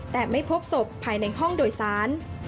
แต่ไม่พบศพภายในห้องโดยสาร